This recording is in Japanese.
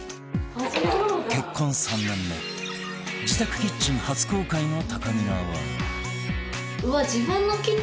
結婚３年目自宅キッチン初公開のたかみなは